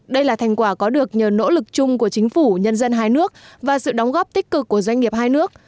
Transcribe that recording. đây là thành quả có được nhờ nỗ lực chung của chính phủ nhân dân hai nước và sự đóng góp tích cực của doanh nghiệp hai nước